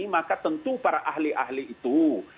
maka tentu para ahli ahli itu